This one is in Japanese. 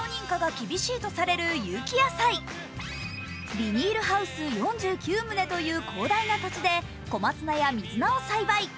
ビニールハウス４９棟という広大な土地で小松菜や水菜を栽培。